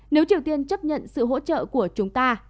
nếu triều tiên chấp nhận sự hỗ trợ của chúng ta